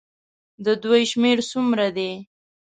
د دوی شمېر څومره دی.